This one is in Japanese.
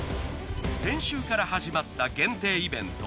先週から始まった限定イベント